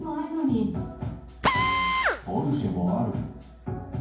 ポルシェもある。